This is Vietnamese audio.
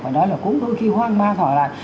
phải nói là cũng đôi khi hoang mang họ lại